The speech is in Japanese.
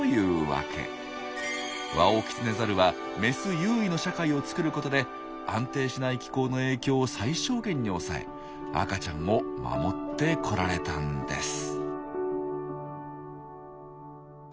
ワオキツネザルはメス優位の社会を作ることで安定しない気候の影響を最小限に抑え赤ちゃんを守ってこられたんです。